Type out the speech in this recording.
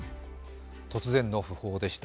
突然の訃報でした。